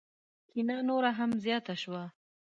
کینه نوره هم زیاته شوه.